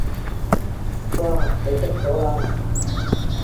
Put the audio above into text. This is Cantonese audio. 哇！你得咗喇！